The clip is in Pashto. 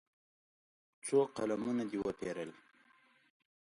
څو قلمونه دې وپېرل.